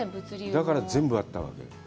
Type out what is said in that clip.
だから全部あったわけで。